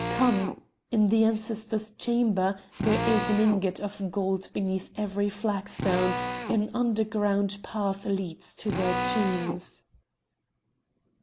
Come! in the Ancestor's Chamber there is an ingot of gold beneath every flagstone; an underground path leads to their tombs."